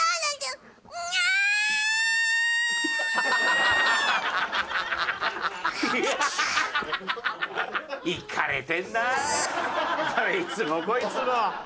どいつもこいつも。